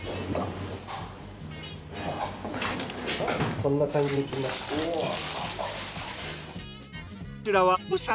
こんな感じに出来ました。